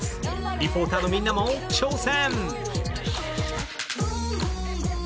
リポーターのみんなも挑戦！